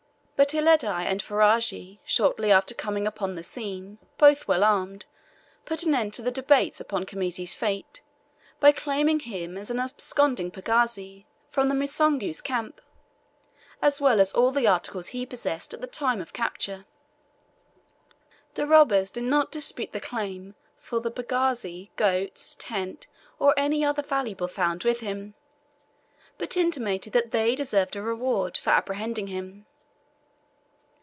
But Uledi and Ferajji shortly after coming upon the scene, both well armed, put an end to the debates upon Khamisi's fate, by claiming him as an absconding pagazi from the Musungu's camp, as well as all the articles he possessed at the time of capture. The robbers did not dispute the claim for the pagazi, goats, tent, or any other valuable found with him, but intimated that they deserved a reward for apprehending him.